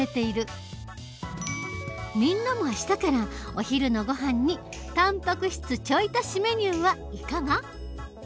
みんなも明日からお昼のごはんにたんぱく質ちょい足しメニューはいかが？